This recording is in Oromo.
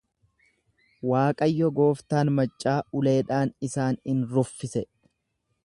Waaqayyo gooftaan maccaa uleedhaan isaan in ruffisa.